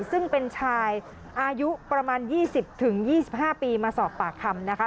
ซึ่งเป็นชายอายุประมาณ๒๐๒๕ปีมาสอบปากคำนะคะ